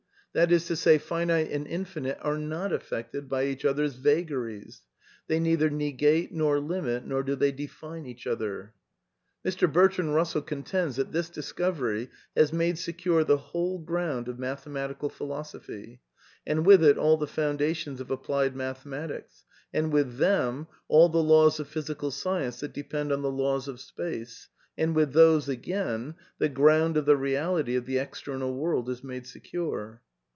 That is to say, finite and infinite are not affected by each other's vagaries. They neither negate nor limit nor do they define each other. Mr. Bertrand Eussell contends that this discovery has made secure the whole ground of mathematical philosophy, and with it all the foundations of applied niathematics, and with them all the laws of physical science that depend on the laws of space ; and with these, again, the ground of the reality of the external world is made secure.